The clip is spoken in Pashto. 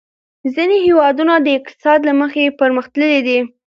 ځینې هېوادونه د اقتصاد له مخې پرمختللي دي.